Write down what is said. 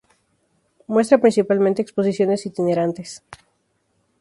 Muestra principalmente exposiciones itinerantes.